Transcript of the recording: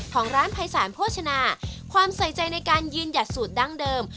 ของร้านภัยสารโภชนาความใส่ใจในการยืนหยัดสูตรดั้งเดิม